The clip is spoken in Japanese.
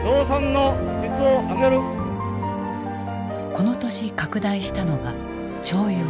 この年拡大したのが徴用。